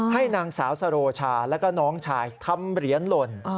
ให้นางสาวสโรชาแล้วก็น้องชายทำเหรียญหล่น